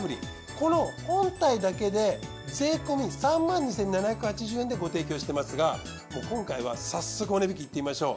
この本体だけで税込３２，７８０円でご提供してますがもう今回は早速お値引きいってみましょう。